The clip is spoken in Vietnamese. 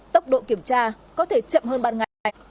tốc độ kiểm tra có thể chậm hơn ban ngày